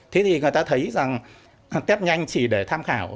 thế thì người ta thấy rằng test nhanh chỉ để tham khảo